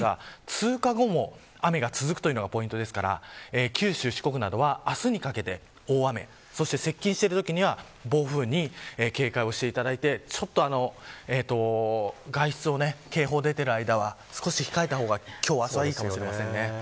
通過後も雨が続くというのがポイントですから九州、四国などは明日にかけて大雨、そして接近するときには暴風に警戒をしていただいて外出を警報が出ている間は少し控えた方がいいかもしれませんね。